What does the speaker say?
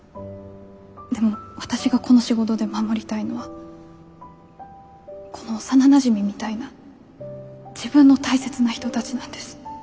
でも私がこの仕事で守りたいのはこの幼なじみみたいな自分の大切な人たちなんです。